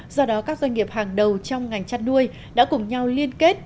do đó các doanh nghiệp hàng đầu trong ngành chăn nuôi đã cùng nhau liên kết